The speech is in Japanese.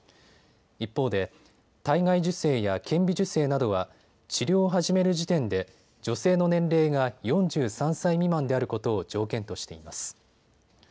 一方で体外受精や顕微授精などは治療を始める時点で女性の年齢が４３歳未満であることを条件としています。